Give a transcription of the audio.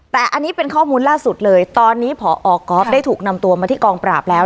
แต่อันนี้เป็นข้อมูลล่าสุดเลยตอนนี้พอก๊อฟได้ถูกนำตัวมาที่กองปราบแล้ว